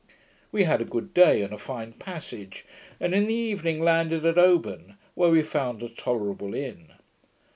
We had a good day and a fine passage, and in the evening landed at Oban, where we found a tolerable inn.